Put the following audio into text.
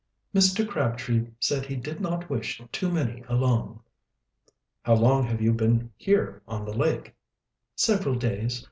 "Mr. Crabtree said he did not wish too many along." "How long have you been here on the lake?" "Several days.